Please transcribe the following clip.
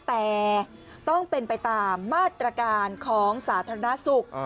แต่ต้องเป็นไปตามมาตรการของสาธารณสุข